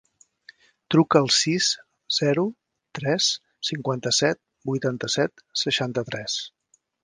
Truca al sis, zero, tres, cinquanta-set, vuitanta-set, seixanta-tres.